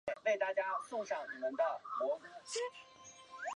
同时也是三亚市主要饮用水水源地。